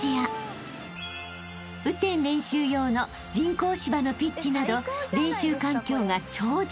［雨天練習用の人工芝のピッチなど練習環境が超充実］